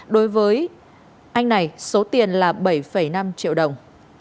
đối với anh này số tiền là bảy năm triệu đồng